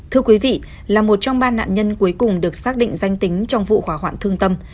thưa quý vị là một trong ba nạn nhân cuối cùng được xác định danh tính trong vụ hỏa hoạn thương tâm